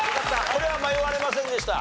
これは迷われませんでした？